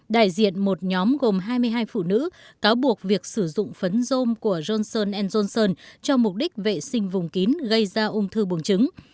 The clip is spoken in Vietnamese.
đại diện một nhóm gồm hai mươi hai phụ nữ cáo buộc việc sử dụng phấn của johnson johnson cho mục đích vệ sinh vùng kín gây ra ung thư buồng trứng